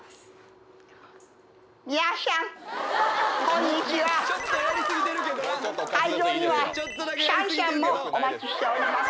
「皆しゃんこんにちは」「会場にはシャンシャンもお待ちしております」